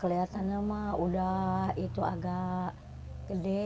kelihatannya mah udah itu agak gede